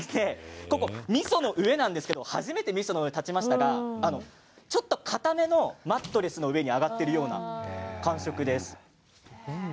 みその上なんですけど初めて、みその上に立ちましたがちょっとかためのマットレスの上に上がっているような感触です。